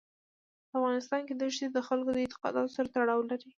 په افغانستان کې دښتې د خلکو د اعتقاداتو سره تړاو لري.